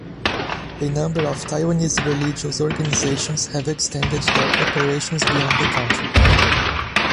A number of Taiwanese religious organizations have extended their operations beyond the country.